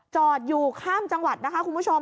จอดอยู่ข้ามจังหวัดนะคะคุณผู้ชม